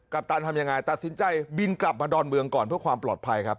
ปตันทำยังไงตัดสินใจบินกลับมาดอนเมืองก่อนเพื่อความปลอดภัยครับ